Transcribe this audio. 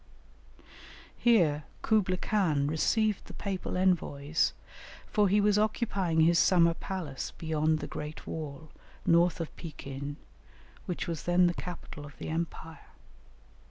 Here Kublaï Khan received the papal envoys, for he was occupying his summer palace beyond the great wall, north of Pekin, which was then the capital of the empire.